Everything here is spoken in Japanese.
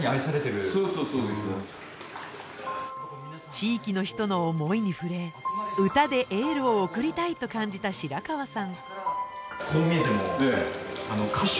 地域の人の思いに触れ歌でエールを送りたいと感じた白川さん。